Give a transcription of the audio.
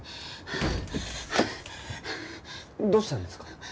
どうしたんですか？